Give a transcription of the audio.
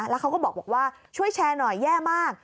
แล้วเขาก็บอกว่าช่วยแชร์หน่อยแย่มาก